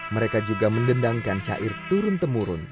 mereka juga mendendangkan syair turun temurun